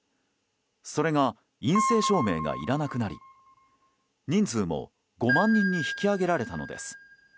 それが、陰性証明がいらなくなり人数も５万人に引き上げられたのです。